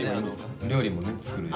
料理もね作る。